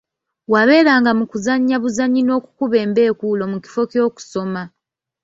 Wabeeranga mu kuzannya buzannyi n'okukuba embeekuulo mu kifo ky'okusoma.